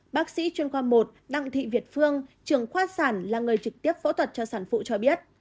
bác sĩ chuyên khoa một đặng thị việt phương trường khoa sản là người trực tiếp phẫu thuật cho sản phụ cho biết